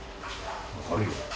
分かるよ。